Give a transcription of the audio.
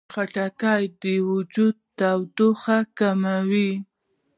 خټکی د وجود تودوخه کموي.